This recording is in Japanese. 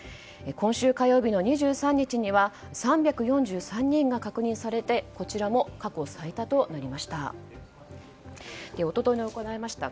今週火曜日の２３日には３４３人が確認されてこちらも過去最多となりました。